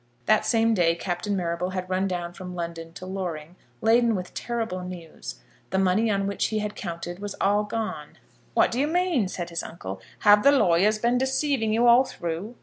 That same day Captain Marrable had run down from London to Loring laden with terrible news. The money on which he had counted was all gone! "What do you mean?" said his uncle; "have the lawyers been deceiving you all through?"